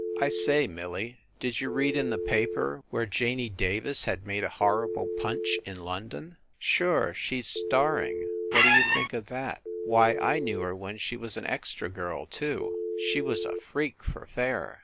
"I say, Millie, did you read in the paper where Janey Davis had made a horrible punch in London?" 1 70 FIND THE WOMAN "Sure. She s starring what d you think of that! Why, I knew her when she was an extra girl, too! She was a freak, for fair.